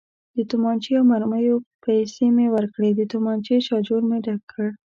د تومانچې او مرمیو پیسې مې ورکړې، د تومانچې شاجور مې ډک کړ.